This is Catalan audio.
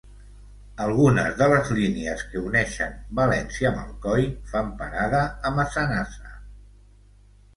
Algunes de les línies que uneixen València amb Alcoi fan parada a Massanassa.